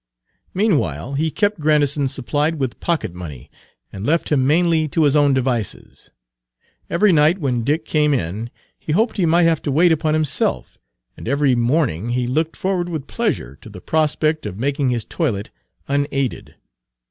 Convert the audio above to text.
Meanwhile he kept Grandison supplied with pocket money, and left him mainly to his own devices. Every night when Dick came in he hoped he might have to wait upon himself, and every morning he looked forward with pleasure to the prospect of making his toilet unaided.